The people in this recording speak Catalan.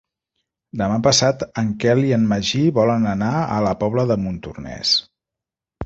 Demà passat en Quel i en Magí volen anar a la Pobla de Montornès.